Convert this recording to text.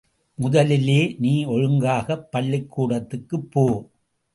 முதலிலே நீ ஒழுங்காகப் பள்ளிக் கூடத்துக்கு போ.